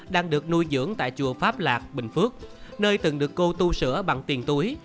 đang được nuôi dưỡng tại chùa pháp lạc bình phước nơi từng được cô tu sửa bằng tiền túi